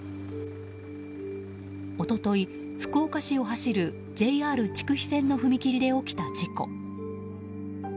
一昨日、福岡市を走るＪＲ筑肥線の踏切で起きた事故。